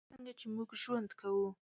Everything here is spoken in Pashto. لکه څنګه چې موږ ژوند کوو .